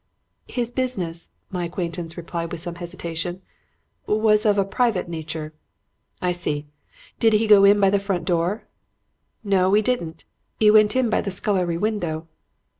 "'His business,' my acquaintance replied with some hesitation, 'was of a private nature.' "'I see. Did he go in by the front door?' "'No, 'e didn't. 'E went in by the scullery window.'